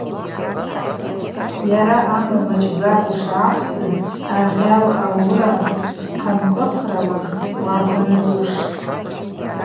Йара амгӏва мачӏдзакӏ ушыквцӏыз агъьал ауыра хъамкӏыхрала убгъанагуштӏ.